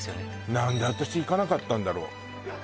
何で私行かなかったんだろう